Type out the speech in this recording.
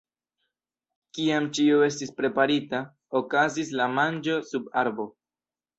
Kiam ĉio estis preparita, okazis la manĝo sub arbo.